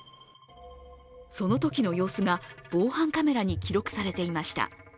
そのときの様子が防犯カメラに記録されていました。